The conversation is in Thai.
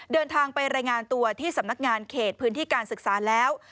เดินทางไปรายงานตัวที่สำนักงานเขตพื้นที่การศึกษาแล้ว